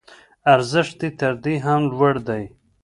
ارزښت یې تر دې هم لوړ دی.